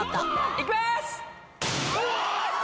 いきます！